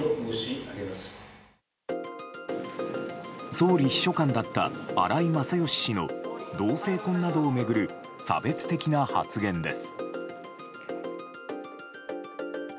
総理秘書官だった荒井勝喜氏の同性婚などを巡る差別的な発言です。